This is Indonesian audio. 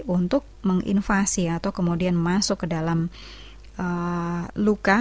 untuk menginvasi atau kemudian masuk ke dalam luka